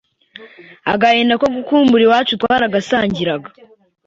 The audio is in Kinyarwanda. agahinda ko gukumbura iwacu twaragasangiraga.